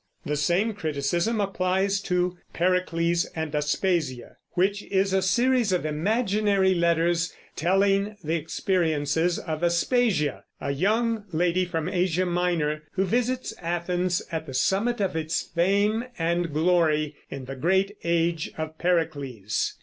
The same criticism applies to Pericles and Aspasia, which is a series of imaginary letters, telling the experiences of Aspasia, a young lady from Asia Minor, who visits Athens at the summit of its fame and glory, in the great age of Pericles.